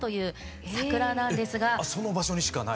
その場所にしかない？